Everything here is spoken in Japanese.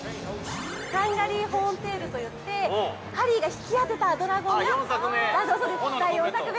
ハンガリー・ホーンテイルといって、ハリーが引き当てたドラゴンが◆あ、４作目。